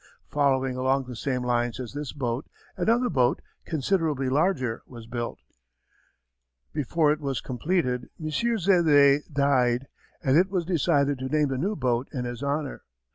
Following along the same lines as this boat another boat, considerably larger, was built. Before it was completed, M. Zédé died and it was decided to name the new boat in his honour.